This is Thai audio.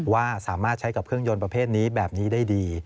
ว่าสามารถใช้กับเครื่องยนต์ประเภทนี้แบบนี้ได้ดี